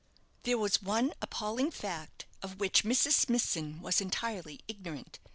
There was one appalling fact of which Mrs. Smithson was entirely ignorant.